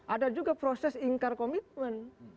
ada juga proses ingkar komitmen